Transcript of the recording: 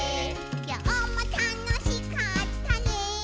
「きょうもたのしかったね」